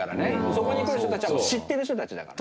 そこに来る人たちはもう知ってる人たちだからね。